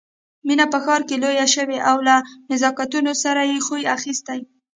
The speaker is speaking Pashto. مينه په ښار کې لويه شوې او له نزاکتونو سره يې خوی اخيستی